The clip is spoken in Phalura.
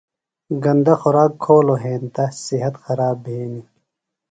گندہ خوراک کھولوۡ ہینتہ صحت خراب بھینیۡ۔